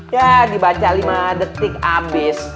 ya dibaca lima detik habis